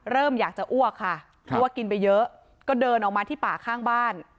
เริ่มอยากจะอ้วกค่ะเพราะว่ากินไปเยอะก็เดินออกมาที่ป่าข้างบ้าน